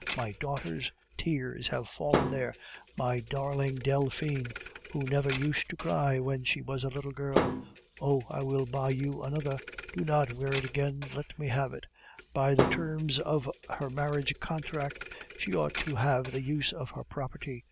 my daughter's tears have fallen there my darling Delphine, who never used to cry when she was a little girl! Oh! I will buy you another; do not wear it again; let me have it. By the terms of her marriage contract, she ought to have the use of her property.